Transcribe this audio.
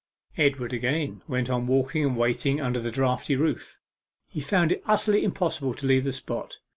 Edward again went on walking and waiting under the draughty roof. He found it utterly impossible to leave the spot.